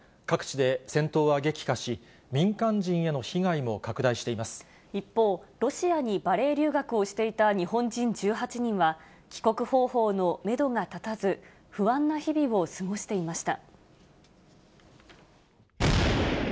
各地で戦闘が激化し、民間人への一方、ロシアにバレエ留学をしていた日本人１８人は、帰国方法のメドが立たず、不安な日々を過ごしていました。